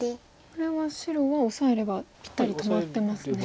これは白はオサえればぴったり止まってますね。